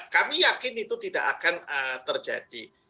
kami yakin itu tidak akan terjadi